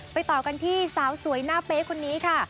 ต่อกันที่สาวสวยหน้าเป๊ะคนนี้ค่ะ